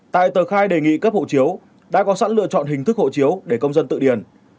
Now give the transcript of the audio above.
tại tờ khai đề nghị cấp hộ chiếu đã có sẵn lựa chọn hình thức hộ chiếu để công dân tự điền